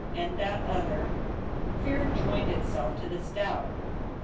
And that other — Fear joined itself to this doubt.